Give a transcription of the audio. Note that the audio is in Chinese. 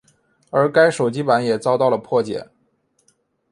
而该手机版也遭到了破解。